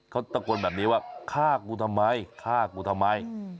เขาตะโกนแบบนี้ว่าฆ่ากูทำไมนี่